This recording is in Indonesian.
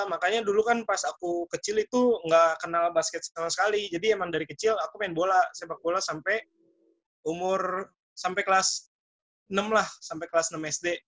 makanya dulu kan pas aku kecil itu nggak kenal basket sama sekali jadi emang dari kecil aku main bola sepak bola sampai umur sampai kelas enam lah sampai kelas enam sd